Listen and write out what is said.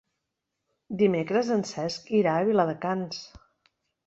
Dimecres en Cesc irà a Viladecans.